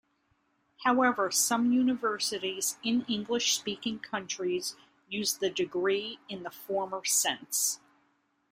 However, some universities in English-speaking countries use the degree in the former sense.